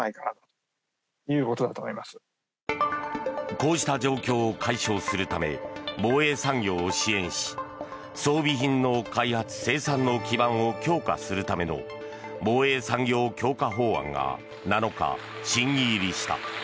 こうした状況を解消するため防衛産業を支援し装備品の開発・生産の基盤を強化するための防衛産業強化法案が７日、審議入りした。